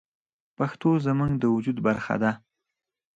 پښتو زموږ د وجود برخه ده.